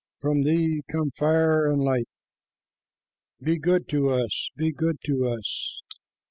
From thee come fire and light. Be good to us, be good to us."